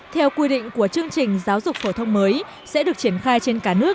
theo quy định của chương trình giáo dục phổ thông mới sẽ được triển khai trên cả nước